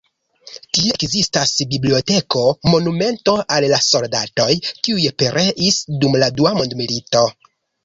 Tie ekzistas biblioteko, monumento al la soldatoj, kiuj pereis dum la Dua Mondmilito.